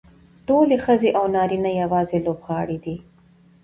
ټولې ښځې او نارینه یوازې لوبغاړي دي.